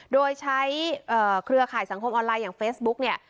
โดยใช้เครือข่ายสังคมออนไลน์อย่างเฟซบุ๊กเนี่ย